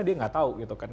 dia nggak tahu gitu kan